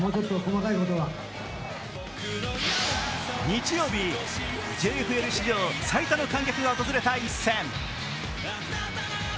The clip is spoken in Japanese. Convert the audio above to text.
日曜日、ＪＦＬ史上最多の観客が訪れた一戦。